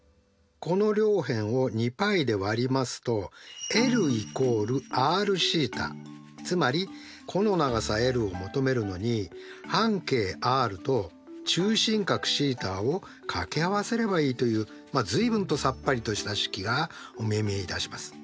この両辺を２πで割りますとつまり弧の長さｌを求めるのに半径ｒと中心角θを掛け合わせればいいという随分とさっぱりとした式がお目見えいたします。